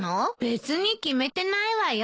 別に決めてないわよ。